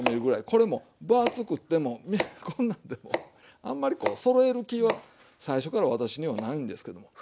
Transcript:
これも分厚くてもこんなんでもあんまりこうそろえる気は最初から私にはないんですけど。